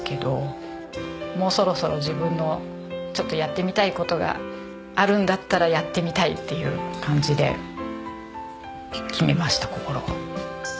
もうそろそろ自分のちょっとやってみたい事があるんだったらやってみたいっていう感じで決めました心を。